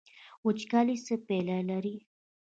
وچکالي څه پایلې لري؟